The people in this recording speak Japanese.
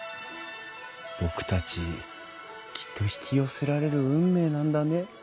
僕たちきっと引き寄せられる運命なんだね。